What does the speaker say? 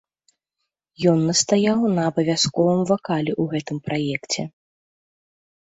Ён настаяў на абавязковым вакале ў гэтым праекце.